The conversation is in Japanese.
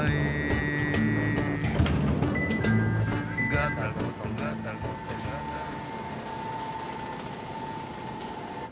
「ガタゴトガタゴトガタンゴトン」